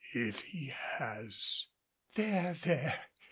If he has " "There! there!